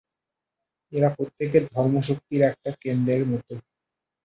এরা প্রত্যেকে ধর্ম-শক্তির এক একটা কেন্দ্রের মত।